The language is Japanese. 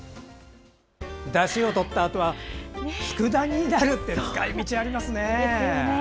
だしをとったあとはつくだ煮になるって使い道ありますね。